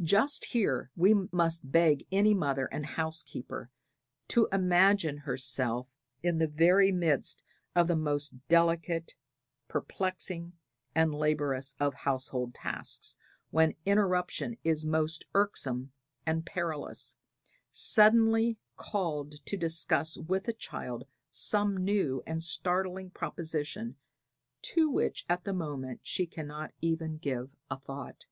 Just here we must beg any mother and housekeeper to imagine herself in the very midst of the most delicate, perplexing and laborious of household tasks, when interruption is most irksome and perilous, suddenly called to discuss with a child some new and startling proposition to which at the moment she cannot even give a thought.